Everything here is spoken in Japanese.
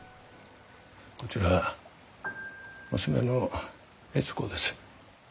こちら娘の悦子です。